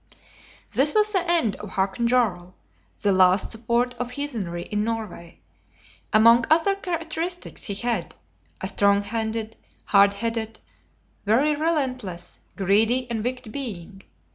This was the end of Hakon Jarl, the last support of heathenry in Norway, among other characteristics he had: a stronghanded, hard headed, very relentless, greedy and wicked being.